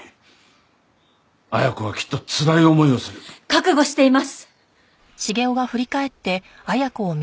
覚悟しています。